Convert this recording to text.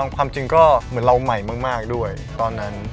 ความจริงก็เหมือนเราใหม่มากด้วยตอนนั้น